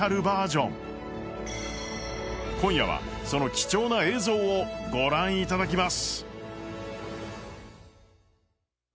今日はその貴重な映像を御覧いただきます。